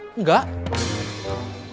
memangnya bakal diterima